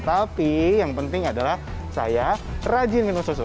tapi yang penting adalah saya rajin minum susu